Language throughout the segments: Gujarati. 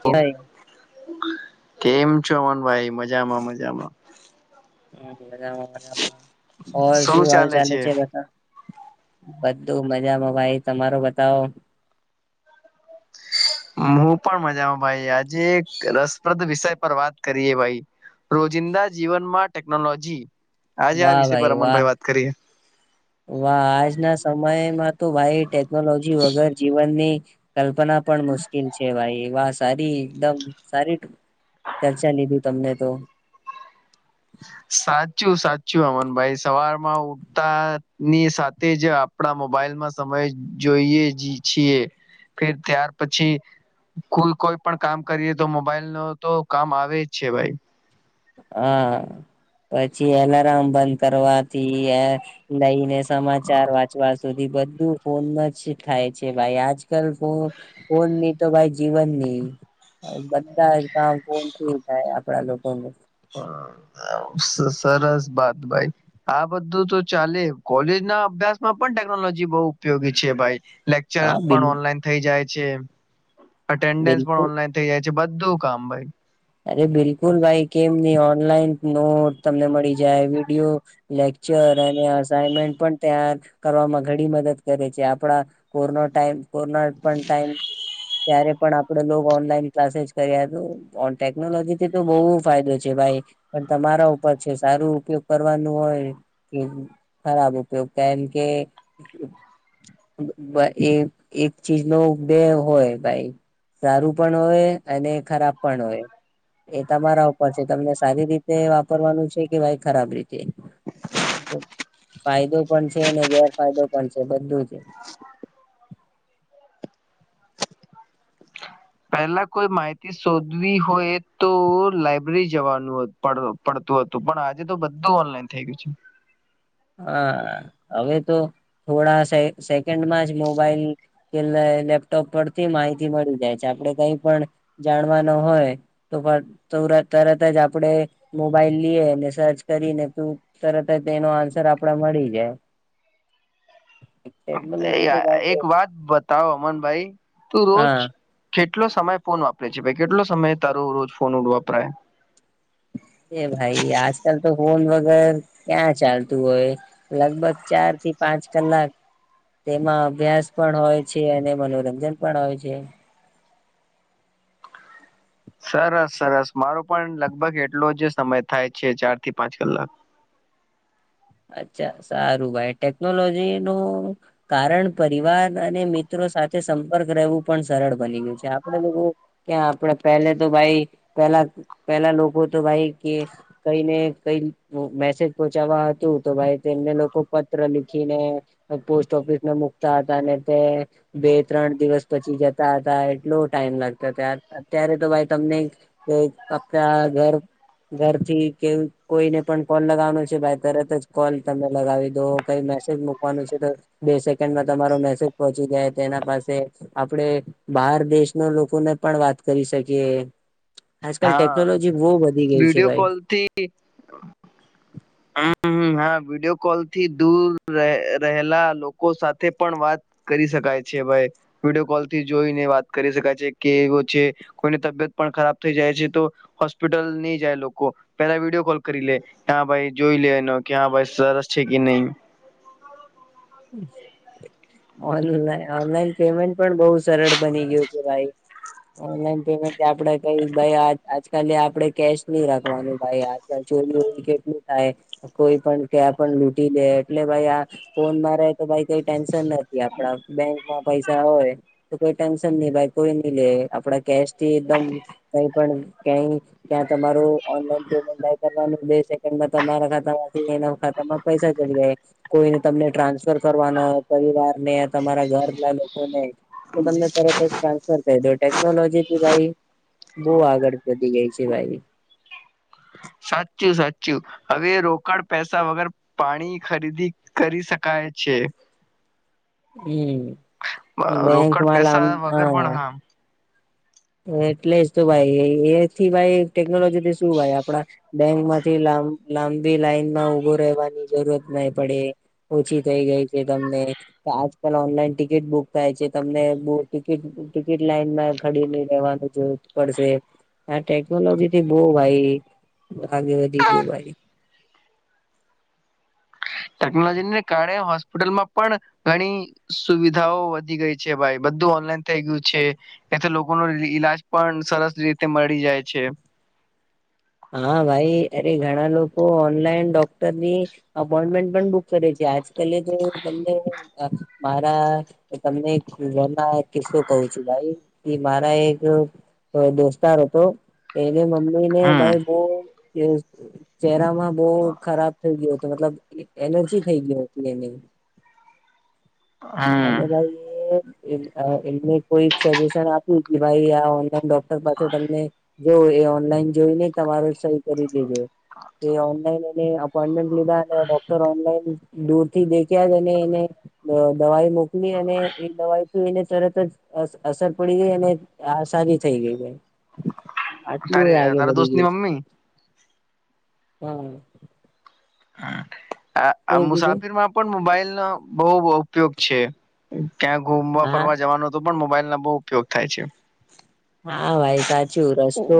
કેવાય કેમ ચમન ભાઈ મજામાં મજામાં મજામાં મજામાં શું હાલ ચાલે છે બધા બધું મજામાં ભાઈ તમારો બતાવો હું પણ મજામાં ભાઈ આજે એક રસપ્રદ વિષય પર વાત કરીએ ભાઈ રોજિંદા જીવનમાં ટેકનોલોજી આજે આ વિષય પર રમનભાઈ વાત કરીએ વા આજના સમયમાં તો ભાઈ ટેકનોલોજી વગર જીવનની કલ્પના પણ મુશ્કિલ છે ભાઈ વાસ તારી એકદમ સારી ચર્ચા લીધી તમને તો સાચું સાચું અમનભાઈ સવારમાં ઉઠતા ની સાથે જ આપડા મોબાઈલમાં સમય જોઈએ જ છીએ ફેડ ત્યાર પછી કુલ કોઈ પણ કામ કરીએ તો મોબાઈલ નો તો કામ આવે છે ભાઈ હા પછી એલાર્મ બંધ કરવાથી લઈને સમાચાર વાંચવા સુધી બધું ફોન ન થાય છે ભાઈ આજકાલ ફ ફોનની તો ભાઈ જીવનની હ બધા જ કામ ફોનથી થાય આપડા લોકોનું સરસ બાત ભાઈ આ બધું તો ચાલે કોલેજ ના અભ્યાસ માં પણ ટેકનોલોજી બઉં ઉપયોગી છે ભાઈ લેક્ચર હા બિલ પણ ઓનલાઈન થઇ જાય છે અટેન્ડન્સ પણ બિલકુલ ઓનલાઈન થઇ જાય છે બધું કામ ભાઈ અરે બિલકુલ ભાઈ કેમ ની ઓનલાઈન નોટ તમને મળી જાય વિડીયો લેકચ ર અને અસાઇમેન્ટ પણ તૈયાર કરવામાં ઘડી મદદ કરે છે આપડા કોરોના ટાઈમ કોરોના પણ ટાઈમ ત્યારે પણ આપડે ઓનલાઈન ક્લાસે જ કર્યા ટેકનોલોજી થી તો બઉ ફાયદો છે ભાઈ પણ તમારા ઉપર છે સારું ઉપયોગ કરવાનું હોય કે ખરાબ ઉપયોગ કારણ કે એ એક ચીજ નો બેે હોય ભાઈ સારું પણ હોય અને ખરાબ પણ હોય. એ તમારા ઉપર છે તમને સારી રીતે વાપરવાનું છે કે ભાઈ ખરાબ રીતે [inaudible] ફાયદો પણ છે અને ગેરફાયદો પણ છે બધું જ પેલા કોઈ માહિતી શોધવી હોય તો લાયબ્રેરી જવાનું પડતું હતું પણ આજે તો બધું ઓનલાઈન થઈ ગયું છે [inaudible] હા હવે તો થોડા સેકન્ડમાં જ મોબાઈલ કે લેપટોપ પરથી માહિતી મળી જાય છે આપણે કઈ પણ જાણવા ન હોય તો પણ તરત જ આપડણે મોબાઈલ લઈએને સર્ચ કરીને તું તરત જ તેનો આન્સ આપડાે મળી જાય ટેકનોલોજી તો ભાઈ બો એક વાત બતાવ અમનભાઈ તું રોજ હા કેટલો સમય ફોન વાપરે છે ભાઈ કેટલો સમય તારું રોજ ફોન વાપરાય એ ભાઈ આજકાલ તો ફોન વગર ક્યાં ચાલતું હોય લગભગ ચાર થી પાંચ કલાક તેમાં અભ્યાસ પણ હોય છે અને મનોરંજન પણ હોય છે [inaudible] સરસ સરસ મારો પણ લગભગ એટલો જ સમય થાય છે ચાર થી પાંચ કલાક [inaudible] અચ્છા સારું ભાઈ ટેકનોલોજી નું કારણ પરિવાર અને મિત્રો સાથે સંપર્ક રહેવું પણ સરળ બની ગયું છે આપડે લોકો કે આપણે પહેલે તો ભાઈ પેલા પેલા લોકો તો ભાઈ કે કઈને કંઈ મેસેજ પહોંચાવા તૂ ભાઈ તેમને લોકો પત્ર લિખીને પોસ્ટ ઓફિસમાં મુકતા હતા અને તે બે ત્રણ દિવસ પછી જતા હતા એટલો ટાઈમ લાગતો ત અત્યારે તો ભાઈ તમને કે કપડા ઘર ઘરથી કે કોઈને પણ કોલ લગાવવાનો છે ભાઈ તરત જ કોલ તમે લગાવી દો કઈ મેસેજ મકવાનું છે તો બે સેકન્ડમાં તમારો મેસેજ પહોંચી જ તેના પાસે આપડે બહાર દેશના લોકોને પણ વાત કરી શકીએ આજકાલ હા ટેકનોલોજી બહુ વધી ગઈ છે વિડીયો ભાઈ કોલ થી [inaudible] મારા વિડીયો કોલ થી દૂર રહેલા લોકો સાથે પણ વાત કરી શકાય છે કે ભાઈ વિડીયો કોલ થી જોઈને વાત કરી શકાય છે કે એવો છે કોઈની તબિયત પણ ખરાબ થઈ જાય હજી તો હોસ્પિટલ ની જાય લોકો પેલા વિડીયો કોલ કરી લે હા ભાઈ જોઈ લે ન ક્યાં એનો ભાઈ સરસ છે કે નહી ઓનલાઈન પેમેન્ટ પણ બહુ સરળ સરળ બની ગયું છે ભાઈ ઓનલાઈન પેમેન્ટ આપણેે કઈ આજકાલ આપણેે કેશ ની રાખવાનું ભાઈ આલ ચોરી વોરી કેટલું થાય કોઈ પણ ક્યાં પણ લૂટી દે એટલે ભાઈ આ ફોન મા આપણે તો ભાઈ કઈ ટેન્શન નથી આપડા બેંક બો પૈસા હોય તો કોઈ ટેન્શન ની લેય કોઈ નઈ લે આપડા કેશ તે દમ કઈ પણ ક્યાંય ક્યાં તમારું ઓનલાઈન પેમેન્ટ જાય ત્યાંકરવાનું બે સેકન્ડમાં તમારા ખાતા માંથી તેમા પૈસા ચડી જાય કોઈને તમને ટ્રાન્સ સર કરવાનો હોય પરિવાર ને તમારા ઘર ના લોકોને તો તમને તરત જ ટ્રાન્સફર કરી દો ટેકનોલોજી થી કાઈ બહુ આગળ વધી ગઈ છે ભાઈ સાચું સાચું હવે રોકડ પૈસા વગર પાણી ખરીદી કરી શકાય છેે ઈમ રોકડ બેંકમાં લ પૈસા વગર પણ હા એટલે જ તો ભાઈ એથી ભાઈ ટેકનોલોજીથી શું ભાઈ આપણા બેંક માંથી લ લાંબી લાઈન માં ઉભો રહેવાની જરૂરત નહી પડે ઓછી થઈ ગઈ છે તમને આજકાલ ઓનલાઈન ટિકિટ બુક થાય છે તમને બુક ટિકિટ ટિકિટ લાઈન માં ખડીને વા જરૂર પડશે આ ટેકનોલોજી થી બહુ ભાઈ આગે વધી ગયું ભાઈ ટેકનોલોજીને કારણે હોસ્પિટલમાં પણ ઘણી સુવિધાઓ વધી ગઈ છે ભાઈ બંધ ધું ઓનલાઈન થઈ ગયું છે એથી લોકો ન ઈલાજ પણ સરસ રીતે મળી જાય છે હા ભાઈ અરે ઘણા લોકો ઓનલાઈન ડોક્ટરની અપોઈન્ટમેન્ટ પણ બુક કરે છે આજ કલે તો તમને મારા તમને ઘણાં એક કિસ્સો કહું છું ભાઈ મારા એક તો દોસ્તાર અતો એ એલે મમ્મી ને હમ ભાઈ બ ચહેરામાં બહુ ખરાબ થઈ ગયું તો મતલબ એનર્જી થઈ ગયો હમ ભાઈ એમને કોઈ સજેશન આપ્યું ભાઈ ઓનલાઈન ડો કડર પાછો તમને જો એ ઓનલાઈન જોઈને તમારો સ કરી થય ગયો ઓનલાઈન એ અપોમેન્ટ લીધા ડોક્ટર ઓનલાઈન દૂર થી દેખ્યા જ અને એને દવાઈ મોકલી અને એ દવાઈ એને તરત જ અસર પડી ગઈ અને આ આસાની થઈ ગઈ છે આટલું તારી આગે તારા વધી દોસ્ત ની ગયું છેું મમ્મી હા આ આ શું કીધું મુસાફિર માં પણ મોબાઈલનો બહુ ઉપયોગ છે ક્યાં ઘુમવા હા ફરવા જવાનો તો પણ મોબાઈલ ના બહુ ઉપયોગ થાય છે હા ભાઈ સાચું રસ્તો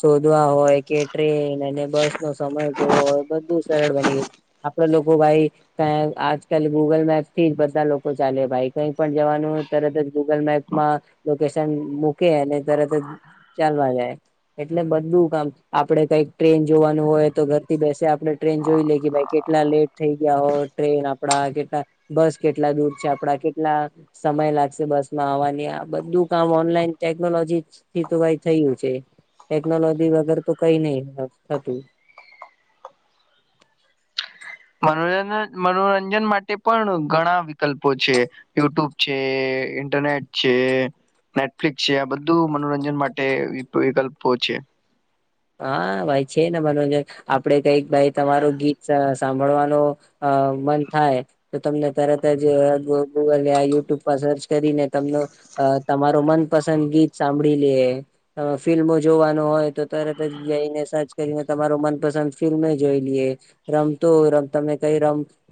શોધવા હોય કે ટ્રે ન એ બસ નો સમય જોય બું સરળ બની ગય આપણા લોકો ભાઈ ક આજ કલ ગૂગલ મેપ થી જ બધ લોકો ચાલે ભાઈ કઈ પણ જવાનું તરત જ ગુગલ મેપમાં લોકેશન મુ કે અને તરત જ ચાલવા જાય એટલે બધું કામ આપડણે કઈક ટ્રેન જોવાનું હોય તો ઘરથી બેસે આપણે ટ્રેન જોઈ લે કે ભાઈ કેટલા લેટ થઈ ગયા હો ટ્રેન આપડા કેટલા બસ કેટલા દૂર છે આપડા કેટલા સમય લાગશે બસમાં આવવાની આ બધું કામ ઓનલાઈન ટેકનોલોજી થી તો ભઈ થયું છે ટેકનોલોજી વગર તો કઈ નહી થતું મનોરં મનોરંજન માટે પણ ઘણા વિકલ્પો છે યુટ્યુબ છે ઇન્ટરનેટ છે નેટફ્લિક્સ છે આ બધું મનોરંજન માટે વિકલ્પો છે હા ભાઈ અ મન થાય તો તમને તરત જ ગૂગલ યુટ્યુબ પર સર્ચ કરીને તમ અ તમારો મનપસંદ ગીત સાંભળી લે ફિલ્મો જોવાનું હોય તો તરત જ જઈને સર્ચ કરીને તમારો મનપસંદ ફિલ્મ જોઈ લઈએ રમતોમ તમે ક ઈ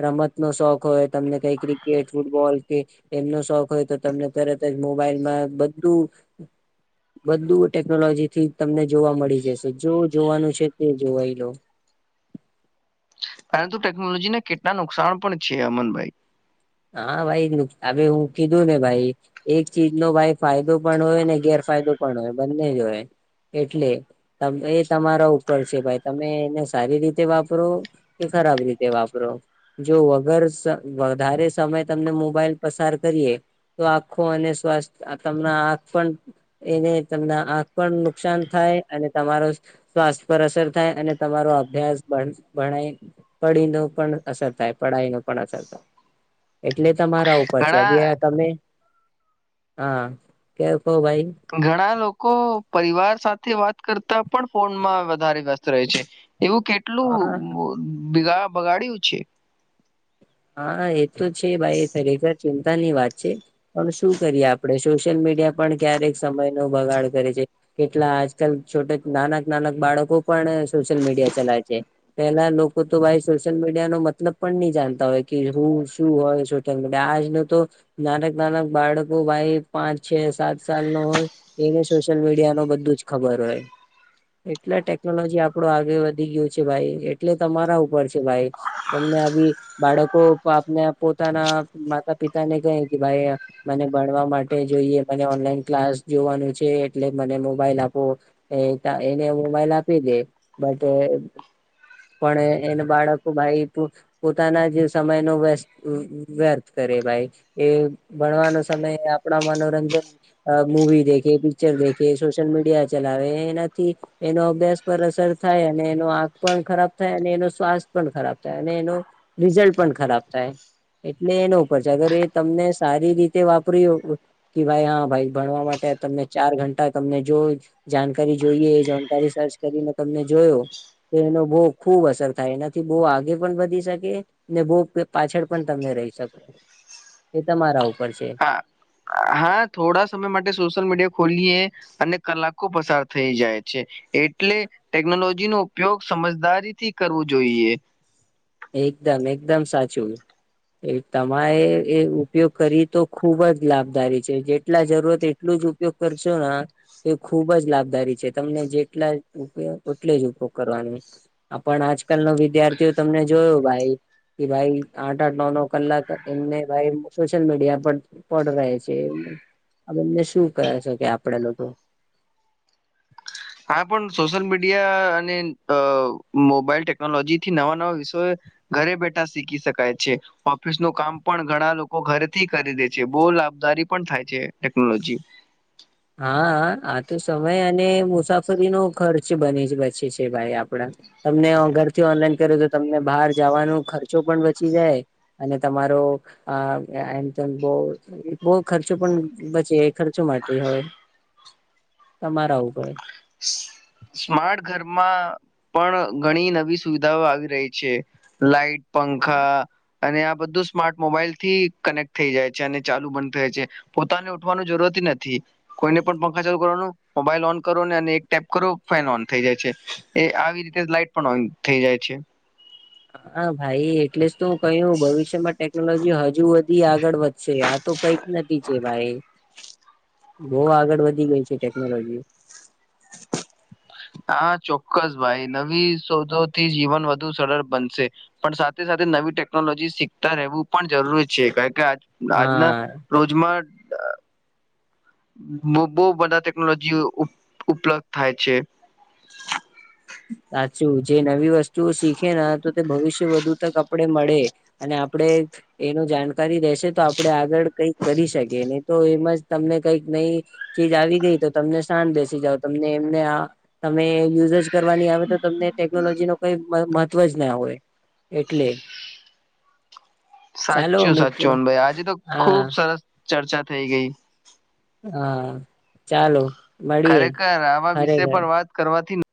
રમત નો શોખ હોય તમને કઈ ક્રિકેટ ફૂટબોલ કે એમનો શોખ હોય તો તમને તરત જ મોબાઈલમાં બધું બધું ટેકનોલોજી થી તમને જોવા મળે પડી જશે જો જોવાનું છે તે જોવાઈ લો તો ટેકનોલોજીને કેટલા નુકસાન પણ છે અમનભાઈ હા ભાઈ નુ હું કીધું ને ભાઈ એક ચીજ નો ભાઈ ફાયદો પણ હોય ને ગેર ફાયદો પણ હોય બંને જ હોય એટલે એ તમારા ઉપર છે ભાઈ તમે એને સારી રીતે વાપરો કે ખરાબ રીતે વાપરો જો વગર વધારે સમય તમને મોબાઈલ પસાર કરીએ તો આંખો અને સ્વસ્થ તમ આંખ પણ એને તમને આંખ પણ નુકસાન થાય અને તમારો સ્વાસ્થ્ય પર અસર થાય અને તમારો અભ્યાસ ભણાય પડી ન પણ અસર થાય પઢાઈ ન પણ અસર થાય એટલે તમારા ઉપર છે ઘણા તમે હા કે કહો ભાઈ ઘણા લોકો પરિવાર સાથે વાત કરતા પણ ફોનમાં વધારે વ્યસ્ત રહે છે એવું કેટલું હા બગાડ્યું છે હા એ તો છે ભાઈ ખરેખર ચિંતા ની વાત છે પણ શું કરીએ આપણે સોશિયલ મીડિયા પણ ક્યારેક સમય નો બગાડ કરે છે કેટલા આજકાલ છોટ નાનક- નાનક બાળકો પણ સોશિયલ મીડિયા ચલાય છે પેલા લોકો તો ભાઈ સોશિયલ મીડિયા નો મતલબ પણ નહી જાણતા હોય. કે હું શું હોય સોશ્યિલ મીડિયા આજનો તો નાનક- નાનક બાળકો ભાઈ પાંચ છે સાત સાલ નો હોય એને સોશિયલ મીડિયા ન બધું જ ખબર હોય. એટલા ટેકનોલોજી આપડો આગે વધી ગયયો છે ભાઈ એટલે તમારા ઉપર છે ભાઈ તમને બાળકો [unintelligible] આપને પોતાના માતા પિતા ને કહે કે ભાઈ મને ભણવા માટે જોઈએ ઓનલાઈન ક્લાસ જોવાનું છે એટલે મને મોબાઈલ આપો એને મોબાઈલ આપી લે બટ પણ એને બાળકો ભાઈ તું પોતાના જ સમય નો વસ્ટ વ્યર્થ કરે ભાઈ એ ભણવાનો સમય આપણા મનોરંજન મુવી દેખે પિક્ચર દેખે સોશિયલ મીડિયા ચલાવે એનાથી એનો અભ્યાસ અસર થાય એનો આંખ પણ ખરાબ થાય અને એનો સ્વાસ્થ પણ ખરાબ થાય અને એનો રિઝલ્ટ પણ ખરાબ થાય. એટલે એનો ઉપર છે અગર એ તમને સારી રીતે વાપરી હો કે ભાઈ હા ભાઈ ભણવા માટે તમને ચાર ઘંટા તમને જો જાણકારી જોઈએ એ જાણકારી સર્ચ કરીને તમને જોયો તો એનો બહ ખુબ અસર થાય એનાથી બહુ આગે પણ વધી શકે ને બહુ પાછળ પણ તમને રહી શકો એ તમારા ઉપર છે હા હા થોડા સમય માટે સોશિયલ મીડિયા ખોલીએ અને કલાકો પસાર થઈ જાય છે એટલે ટેકનોલોજી નો ઉપયોગ સમજદારીથી કરવું જોઈએ. એકદમ એકદમ સાચું. એ તમારે એ ઉપયોગ કરી તો ખુબ જ લાભદારી છે જેટલા જરૂરત એટલું ઉપયોગ કરસો ના તો ખુબ જ લાભદારી છે તમને જેટલા ઉપયો એટલે જ ઉપયોગ કરવાનું પણ આજકાલ ના વિદ્યાર્થીઓ તમને જોયોું ભાઈ કે ભાઈ આઠ આઠ નવ નવ કલાક એમને ભાઈ સોશિયલ મીડિયા પર પડ રહે છે. આ બંને શું કહે છે કે આપડે લોકો હા પણ સોશિયલ મીડિયા અને મોબાઈલ ટેકનોલોજી થી નવા નવા વિષયો ઘરે બેઠા શીખી શકાય છે ઓફિસ નું કામ પણ ઘણા લોકો ઘરેથી કરી દે છે બોલ લાભદારી પણ થાય છે ટેકનોલોજી. [inaudible] હા આ તો સમય અને મુસાફરીનો ખર્ચ બની જ બચે છે ભાઈ આપડા. તમને ઘરથી ઓનલાઈન કર્યું તો તમને બહાર જવાનો ખર્ચો પણ બચી જાય અને તમારો એમ તેમ બો બો ખર્ચો પણ બચે ખર્ચો માટે હોય તમારા ઉપર સ્માર્ટ ઘરમાં પણ ઘણી નવી સુવિધાઓ આવી રહી છે લાઈટ પંખા અને આ બધું સ્માર્ટ મોબાઈલ થી કનેક્ટ થઈ જાય છે અને ચાલુ બંધ થાય છે પોતાને ઉઠવાનું જરૂર નથી કોઈને પણ પંખા ચાલુ કરવાનો મોબાઈલ ઓન કરોને અને એક ટેપ કરો ફેન ઓન થઈ જાય છે એ આવી રીતે લાાઈટ પણ ઓન થઈ જાય છે. હા ભાઈ એટલે જ તો કહું ભવિષ્યમાં ટેકનોલોજી હજુ બધી આગળ વધી આ તો કઈક નથી છે ભાઈ. બો આગળ વધી ગઈ છે ટેકનોલોજી. હા ચોક્કસ ભાઈ નવી શોધોથી જીવન વધુ સરળ બનશે પણ સાથે સાથે નવી ટેકનોલોજી શીખતા રહેવું પણ જરૂરી છે કારણ કે આજના હા રોજમાં બહુ બધા ટેકનોલોજી ઉપલબ્ધ થાય છે. સાચું જે નવી વસ્તુઓ શીખે તો તે ભવિષ્ય વધુ તક આપડે મળે અને આપણે એનું જાણકારી રહેેશે તો આપણે આગળ કઈ કરી શકીએ ન તો એમ જ તમને કઈક નઈ ચીજ આવી ગઈ તો તમને શાન બેસી જાવ તમને એમને તમે યુઝ જ કરવાની આવે તો તમને ટેકનોલોજી ન કઈ મહવ જ ના હોય એટલે ચાલો સાચું મિત્રો સાચુંન ભાઈ આજે તો હા ખુબ સરસ ચર્ચા થઈ ગઈ હા ચાલો મળીએે ખરેખર આવા વિષય ખરેખર પર વાત કરવાથી